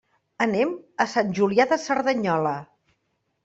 Anem a Sant Julià de Cerdanyola.